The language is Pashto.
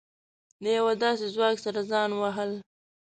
له يوه داسې ځواک سره ځان وهل.